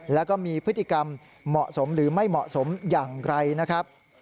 แล้วก็มีพฤติกรรมเหมาะสมหรือไม่เหมาะสมอย่างไรนะครับ